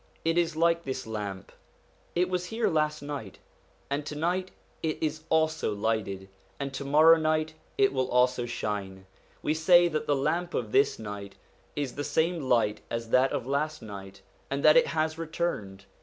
It is like this lamp : it was here last night, and to night it is also lighted, and to morrow night it will also shine. We say that the lamp of this night is the same light as that of last night, and that it has returned.